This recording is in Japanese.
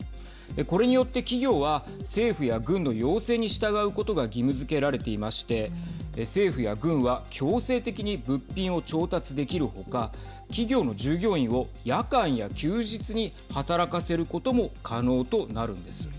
これによって企業は政府や軍の要請に従うことが義務づけられていまして政府や軍は強制的に物品を調達できるほか企業の従業員を夜間や休日に働かせることも可能となるんです。